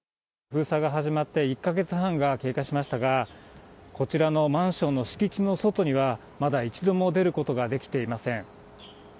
封鎖が始まって１か月半が経過しましたが、こちらのマンションの敷地の外には、まだ一度も出ることができていません。